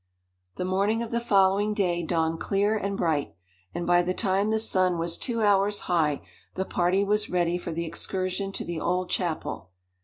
The morning of the following day dawned clear and bright, and by the time the sun was two hours high the party was ready for the excursion to the old chapel.